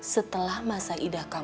setelah masa idah selesai